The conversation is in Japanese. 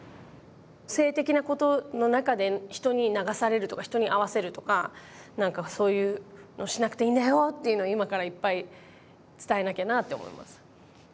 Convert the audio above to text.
性的なことの中で人に流されるとか人に合わせるとかなんかそういうのしなくていいんだよっていうのを今からいっぱい伝えなきゃなあって思います。